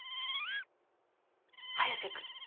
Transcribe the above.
早瀬君。